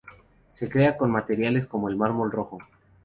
Se crea con materiales como el mármol rojo.